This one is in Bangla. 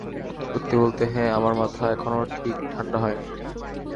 সত্যি বলতে, হ্যাঁ, আমার মাথা এখনো ঠান্ডা হয়নি।